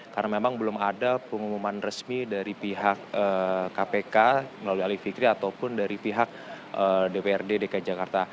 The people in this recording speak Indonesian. karena memang belum ada pengumuman resmi dari pihak kpk melalui alif fikri ataupun dari pihak dprd dki jakarta